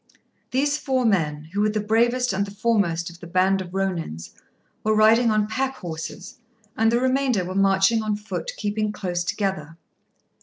These four men, who were the bravest and the foremost of the band of Rônins, were riding on pack horses, and the remainder were marching on foot, keeping close together.